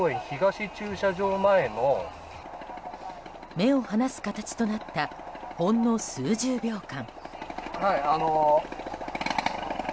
目を離す形となったほんの数十秒間。